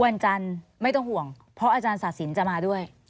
วันจันทร์ไม่ต้องห่วงเพราะอาจารย์ศาสินจะมาด้วย